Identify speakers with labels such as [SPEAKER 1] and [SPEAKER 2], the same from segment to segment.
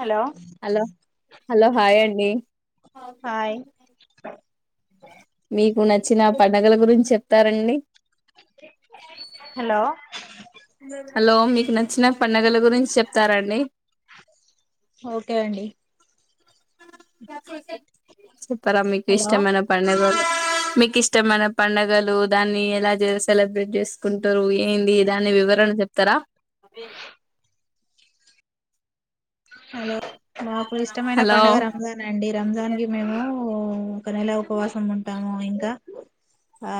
[SPEAKER 1] Hello
[SPEAKER 2] hello hello hi అండి
[SPEAKER 1] hi
[SPEAKER 2] మీకు నువ్వు నచ్చిన పండుగల గురించి చెప్తారండి.
[SPEAKER 1] చ్
[SPEAKER 2] హలో మీకు నచ్చిన పండుగల గురించి చెప్తారండి
[SPEAKER 1] ఓకే అండి
[SPEAKER 2] క్యాప్ ఉల్టాయ్ చేప్ అండి. మీకు
[SPEAKER 1] హలో
[SPEAKER 2] ఇష్టమైన పండగలు. మీకు ఇష్టమైన పండగలు దాన్ని ఎలా చేసు సెలబ్రేట్ చేసుకుంటారు. ఎంది దాని వివరణ చెప్పండి. చెప్తార
[SPEAKER 1] హలో మాకు ఇష్టమైన
[SPEAKER 2] హలో
[SPEAKER 1] పండుగ రంజాన్ అండి. రంజాన్ కి మేమూ ఒక నెల ఉపవాసం ఉంటాము. ఇంకా ఆ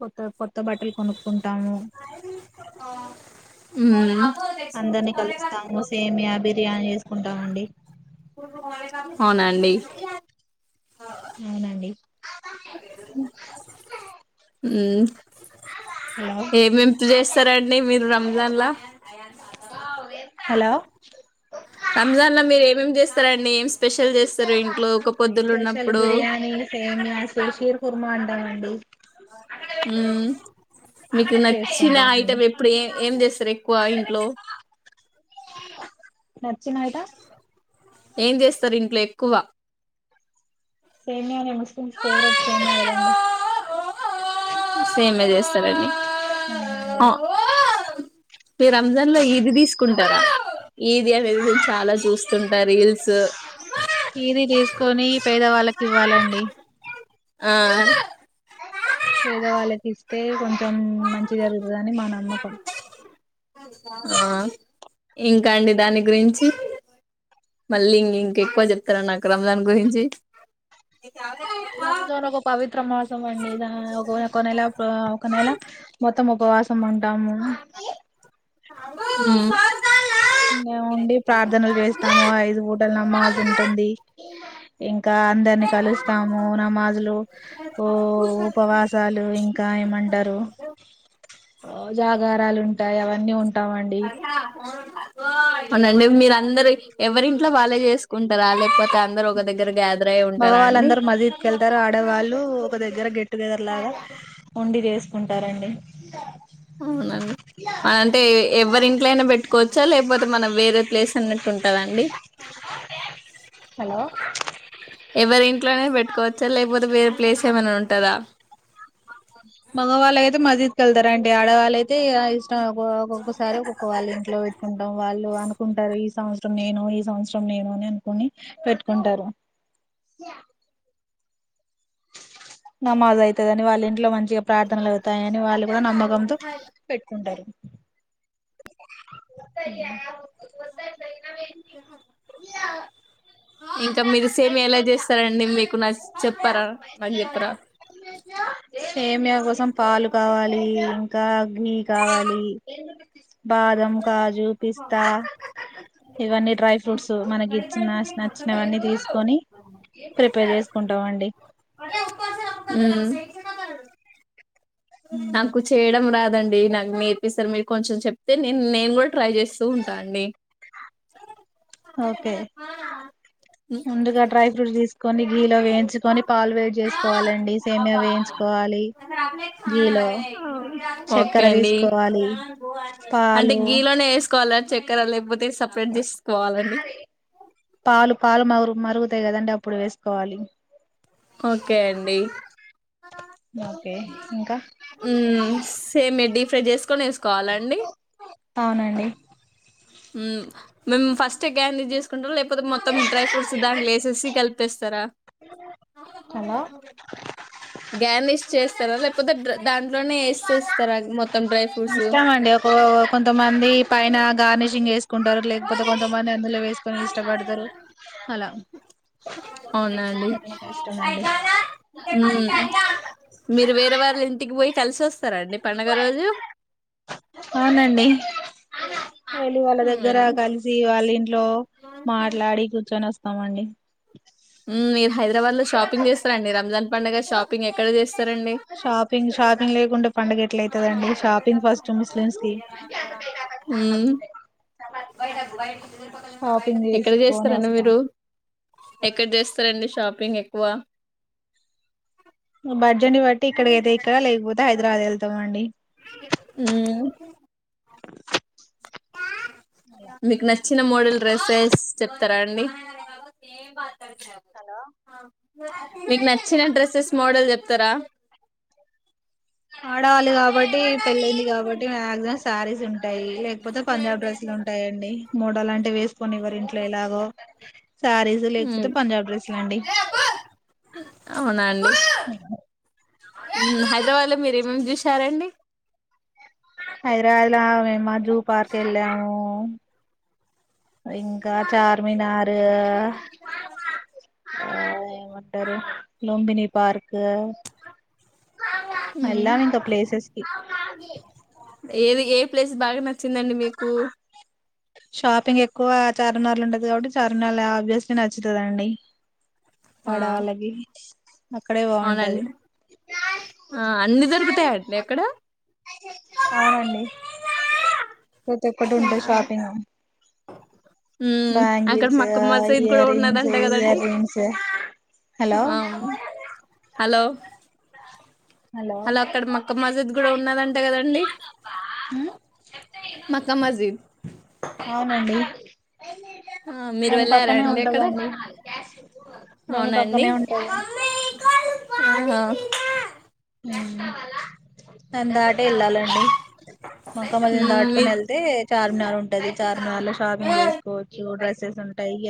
[SPEAKER 1] కొత్త కొత్త బట్టలు కొనుక్కుంటాము.
[SPEAKER 2] ఊ
[SPEAKER 1] అందరిని కలుస్తాము సేమియా బిర్యానీ చేసుకుంటామండి.
[SPEAKER 2] అవునండి.
[SPEAKER 1] అవునండి
[SPEAKER 2] ఊ
[SPEAKER 1] హలో
[SPEAKER 2] ఏమేమ్ చేస్తారండి మీరు రంజాన్లా
[SPEAKER 1] హలో
[SPEAKER 2] రంజాన్ లో మీరు ఏమేమి చేస్తారండి ఏం స్పెషల్ చేస్తారు ఇంట్లో ఒక్క పొద్దులు
[SPEAKER 1] స్పెషల్
[SPEAKER 2] ఉన్నప్పుడు
[SPEAKER 1] బిర్యానీ సేమియా షీర్ కుర్మా అంటామండి
[SPEAKER 2] ఊ మీకు నచ్చిన
[SPEAKER 1] చేసుకుంటామండి
[SPEAKER 2] ఐటం ఎప్పుడు ఏ ఏం చేస్తారు ఎక్కువ ఇంట్లో
[SPEAKER 1] నచ్చిన ఐటమ్
[SPEAKER 2] ఏం చేస్తారు ఇంట్లో ఎక్కువ
[SPEAKER 1] సేమియానే ముస్లిమ్స్ ఫేవరెట్ సైమియా కదండి.
[SPEAKER 2] సేమియా చేస్తా ర మీరు రంజాన్ లో ఈది తీసుకుంటారా ఈది అనేది నేను చాలా చూస్తుంటా రీల్స్
[SPEAKER 1] ఇది తీసుకొని పేదవాళ్ళకి ఇవ్వాలండి
[SPEAKER 2] ఆ
[SPEAKER 1] పేద వాళ్ళకి ఇస్తే కొంచెం మంచి జరుగుతదని మా నమ్మకం.
[SPEAKER 2] ఆ ఇంక అండి దాని గురించి మళ్ళీ ఇంకెక్కువ చెప్తార నాకు రంజాన్ గురించి
[SPEAKER 1] రంజన్ ఒక పవిత్ర మాసం అండి దా ఒక ఒక నెల ఒక నెల మొత్తం ఉపవాసం ఉంటాము.
[SPEAKER 2] ఊ
[SPEAKER 1] మేమండీ ప్రార్థనలు చేస్తాము. ఐదు పూటల నమాజు ఉంటుంది ఇంక్ ఇంకా అందరినీ కలుస్తాము నమాజులు ఓ ఉపవాసాలు ఇంకా ఏమంటారు జాగ్ గా రాలు ఉంటాయి అవన్నీ ఉంటాయి.
[SPEAKER 2] అత్తా కోడలు అవునండి మీరు అందరు ఎవరింట్లో వాళ్లే చేసుకుంటారా లేకపోతే అందరు ఒక దగ్గర గ్యాదర్ అయి ఉంటారా అండి
[SPEAKER 1] మగవాళ్ళందరు మజీద్ కెళ్తారు. ఆడేవాళ్ళు ఒక దగ్గర గెట్టుగెదర్ లాగా వుండి చేస్త కుంటారండి.
[SPEAKER 2] అవునండి. అంటే ఎవ్వరింట్లోయిన పెట్టుకోవచ్చా లేకపోతే మనం వేరే ప్లేస్ అన్నట్టు ఉంటద అండి.
[SPEAKER 1] హలో
[SPEAKER 2] ఎవ్వరింట్లోనే పెట్టు వచ్చా లేకపోతే వేరే ప్లేస్ ఏమైనా ఉంటందా
[SPEAKER 1] మగవాళ్ళు అయితే మసీద్ కి వెళ్తారండి ఆడవాళ్ళైతే ఇష్టం ఒక్కొక్కసారి ఒక్కొక్కవాళ్ళింట్లో పెట్ కుంటాం వాళ్ళు అనుకుంటారు ఈ సంవత్సరం నేను ఈ సంవత్సరం నేను అని అనుకుని పెట్టుకుంటారు నమాజ్ అయితదని వాళ్ళ ఇంట్లో మంచిగా ప్రార్థనలు అవుతాయని వాళ్ళు కూడా నమ్మకంతో పెట్టుకుంటారు ఒక్కటి కాదు ఇట్లయితే
[SPEAKER 2] చెప్ ఆ ఇంకా మీరు సేమ్ ఎలా చేస్తారండి మీకు నఅస్ చెప్పారా నాకు చెప్పరా
[SPEAKER 1] సేమియా కోసం పాలు కావాలి ఇంకా కావాలి బాదం కాజు పిస్తా ఇవన్నీ డ్రై ఫ్రూట్స్ మనకి ఇచ్చిన అస్ వచ్చినవన్నీ తీసుకొని ప్రిపేర్ చేసుకుంటాం అండి
[SPEAKER 2] రెచ్చిపోతాడు నాకు చేయడం రాదు దండి నాకు నేర్పిస్తారు మీరు కొంచెం చెప్తే నేను కూడా ట్రై చేస్తూ ఉంటా అండి
[SPEAKER 1] ఓకే ముందుగా డ్రై ఫ్రూట్స్ తీసుకొని గీలో వేయించుకొని పాలు వేడి చేసుకోవాలండి సేమీయా వేయించుకోవాలి గీలో
[SPEAKER 2] ఓకే
[SPEAKER 1] చక్కర
[SPEAKER 2] అండి
[SPEAKER 1] తీసుకోవాలి పాలు
[SPEAKER 2] కోవాల చెక్కర లేకపోతే సేపరేట్ చేసుకోవాలండి
[SPEAKER 1] పాలు పాలు మరు మరుగుతాయి కదండి అప్పుడు వేసుకోవాలి
[SPEAKER 2] ఓకే అండి
[SPEAKER 1] ఓకే ఇంకా
[SPEAKER 2] ఉమ్ సేమ్డిఫ్ జేసుకోని ఎస్ కోవాలండి
[SPEAKER 1] అవునండి
[SPEAKER 2] ఉమ్ మేము ఫస్ట్ క్యాండజ్ చేసుకుంటాం లేక్ప తే మొత్తం డ్రై ఫ్రూట్స్ దాంట్లో ఏసేసీ కలిపేస్తారా
[SPEAKER 1] హలో
[SPEAKER 2] గార్నిష్ చేస్తారా లేక్ పోతే పోతే డ్రై ఫూ డ్రై ఫ్రూట్స్
[SPEAKER 1] ఇష్టామ అండి ఒక కొంతమంది పైన గార్నిష్ గేసుకుంటారు లేకపోతే కొంతమంది అందులో వేసుకొని ఇష్టపడతారు అలా
[SPEAKER 2] అవునా అండి
[SPEAKER 1] ఇష్టమండి
[SPEAKER 2] ఉమ్ మీరు వేరే వాళ్ళ ఇంటికి పోయి కల్సస్
[SPEAKER 1] అవునండి వెళ్ళి వాళ్ళ దగ్గర
[SPEAKER 2] అవునండి
[SPEAKER 1] కలిసి వాళ్ళ ఇట్ లో మాట్లాడి కూర్చొని అమండి
[SPEAKER 2] మీరు హైదరాబాద్ లో షాపింగ్ చేస్తారండి రంజాన్ పంగారు షాపింగ్ ఎక్కడ చేస్తారు
[SPEAKER 1] షాపింగ్ షాపిింగ్ లేకుం ముస్లిమ్స్ కి షాపింగ్
[SPEAKER 2] ఎక్కడ
[SPEAKER 1] చేసుకొని
[SPEAKER 2] చేస్తారండి
[SPEAKER 1] వస్తాం
[SPEAKER 2] మీరు ఎక్కడ చేస్తారంండి షాపింగ్ ఎక్కువ
[SPEAKER 1] బ భడ్జని బట్టి ఇక్కడకి అైతే ఇక్కడ లేకపోతే హైదరాబాద్ వెళ్తే తవండి
[SPEAKER 2] అ ఆహా మీకు నచ్చిన మోడల్ డ్రెస్సెస్ చెప్పతారా అండీ మీకు నచ్చిన డ్రెస్సెస్ మోడల్ చెప్పుతారు వస్తారా
[SPEAKER 1] ఆడవాళ్ళి కాబట్టి పెళ్ళైంది కాబట్టి మాక్సిమం శారీస్ ఉంటాయ డైగౌలే కొత్త పంజాబ్ డ్రెస్లు ఉంటాయండి మోడల్ లాంటి వేస్ పోనీ ఎవరు ఇంట్లో ఇలాగో లేకపోతే
[SPEAKER 2] మ్మ్.
[SPEAKER 1] పంజాబ్ డ్రెస్లు అండి
[SPEAKER 2] అవునండి
[SPEAKER 1] అ [inaudible]
[SPEAKER 2] హైదరాబాదులో మీరు ఏమేమి చూసారా అండి
[SPEAKER 1] హైదరాబాద్లో లో మైము జూ పార్క్ వాళ్ళము ఇంకా చార్మినార్ ఆమ్స్ ఆ ఏమంటారు లొంబినీ పార్కు
[SPEAKER 2] మ్మ్
[SPEAKER 1] వెళ్ళాలి ఇంకా ప్లేసెస్ కి
[SPEAKER 2] ఎ ప్లేస్ బాగా నచ్చిందండి మీకు
[SPEAKER 1] షాపింగ్ ఎక్కువ చార్న్నార్లు ఉంటది కాబట్టి చార్ నార్లు ఆబ్వియస్లీ నచ్చుతుందండి
[SPEAKER 2] ఆ
[SPEAKER 1] పడాలగే అక్కడే బాగుంటది
[SPEAKER 2] అవునండి ఆ అన్ని దొరుకుతాయండి అక్కడ
[SPEAKER 1] అవును అండీ ప్రతి ఒక్కటి ఉంటే
[SPEAKER 2] అవునా
[SPEAKER 1] షాప్
[SPEAKER 2] మ్మ్ అక్కడ
[SPEAKER 1] బ్యాంగిల్స్
[SPEAKER 2] మక్క
[SPEAKER 1] ఆ
[SPEAKER 2] మసీద్ కూడా
[SPEAKER 1] ఈయరింగ్స్
[SPEAKER 2] ఉన్నదంట కదండి
[SPEAKER 1] ఈయరింగ్స్ హలో
[SPEAKER 2] ఆ హలో హలో అక్కడ మక్క మజిద్ కూడా ఉన్నదంట కద్దండీ
[SPEAKER 1] హ్మ్
[SPEAKER 2] మక్కా మజీద్
[SPEAKER 1] అవునండి
[SPEAKER 2] మీరు
[SPEAKER 1] దాని
[SPEAKER 2] వెళ్ళారా
[SPEAKER 1] పక్కనే
[SPEAKER 2] అండి అక్కడ
[SPEAKER 1] ఉంటదండి దాని
[SPEAKER 2] అవునండి
[SPEAKER 1] పక్కనే ఉంటది
[SPEAKER 2] ఆ
[SPEAKER 1] దాన్ని దాటి టే వెళ్ళాలండి మక్క మజీద్ని
[SPEAKER 2] మ్మ్,
[SPEAKER 1] దాటుకొని
[SPEAKER 2] మీ-
[SPEAKER 1] వెళ్తే చార్మినార్ ఉంటది చార్మినార్ లో షాపింగ్ చేసుకోవచ్చు డ్రెస్ స్ స్ ఉంటాయి ఈ